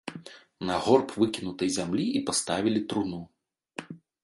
На горб выкінутай зямлі і паставілі труну.